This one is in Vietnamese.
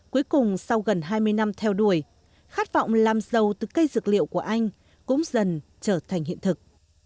cuối cùng sau gần hai mươi năm theo đuổi khát vọng làm giàu từ cây dược liệu của anh cũng dần trở thành hiện thực